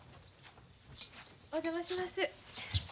お邪魔します。